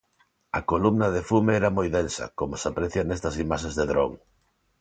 A columna de fume era moi densa, como se aprecia nestas imaxes de dron.